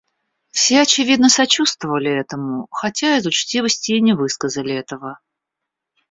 Все, очевидно, сочувствовали этому, хотя из учтивости и не высказали этого.